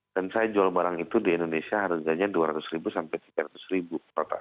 dan saya jual barang itu di indonesia harganya dua ratus ribu sampai tiga ratus ribu